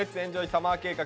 サマー計画」